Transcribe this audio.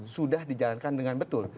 sudah dijalankan dengan betul